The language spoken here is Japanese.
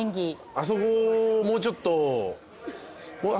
「あそこもうちょっとこうさ」